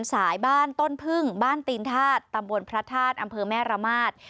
สายบ้านต้นพึ่งบ้านตีนธาตุตำบลพระธาตุอำเภอแม่ระมาท